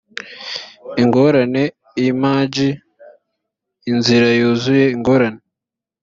ingorane img inzira yuzuye ingorane